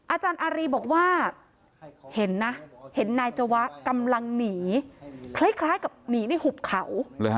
อาจารย์อารีบอกว่าเห็นนะเห็นนายจวะกำลังหนีคล้ายกับหนีในหุบเขา